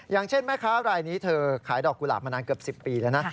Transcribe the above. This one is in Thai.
อย่างเช่นแม่ค้ารายนี้เธอขายดอกกุหลาบมานานเกือบ๑๐ปีแล้วนะ